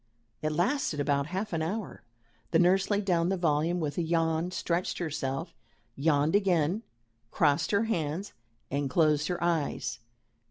It lasted about half an hour. The nurse laid down the volume with a yawn, stretched herself, yawned again, crossed her hands, and closed her eyes.